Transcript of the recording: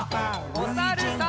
おさるさん。